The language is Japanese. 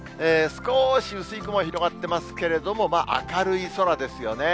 少し薄い雲が広がってますけれども、明るい空ですよね。